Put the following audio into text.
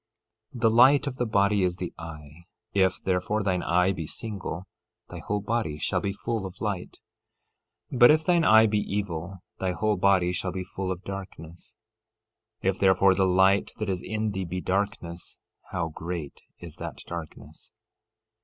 13:22 The light of the body is the eye; if, therefore, thine eye be single, thy whole body shall be full of light. 13:23 But if thine eye be evil, thy whole body shall be full of darkness. If, therefore, the light that is in thee be darkness, how great is that darkness!